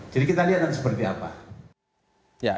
jadi kita lihat nanti seperti apa